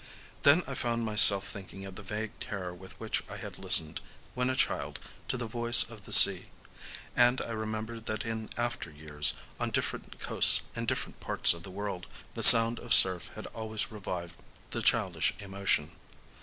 Then I found myself thinking of the vague terror with which I had listened, when a child, to the voice of the sea;—and I remembered that in after years, on different coasts in different parts of the world, the sound of surf had always revived the childish emotion.